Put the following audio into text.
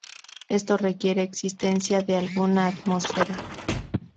Esto requiere existencia de alguna atmósfera.